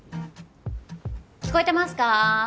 聞こえてますか？